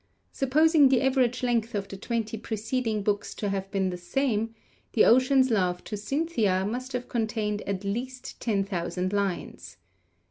Supposing the average length of the twenty preceding books to have been the same, The Ocean's Love to Cynthia must have contained at least ten thousand lines.